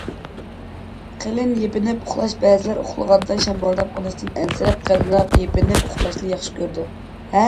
قېلىن يېپىنىپ ئۇخلاش بەزىلەر ئۇخلىغاندا شامالداپ قېلىشتىن ئەنسىرەپ، قېلىنراق يېپىنىپ ئۇخلاشنى ياخشى كۆرىدۇ.